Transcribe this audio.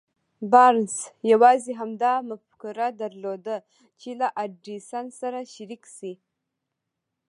بارنس يوازې همدا مفکوره درلوده چې له ايډېسن سره شريک شي.